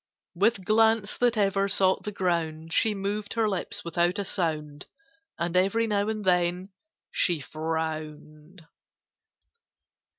With glance that ever sought the ground, She moved her lips without a sound, And every now and then she frowned.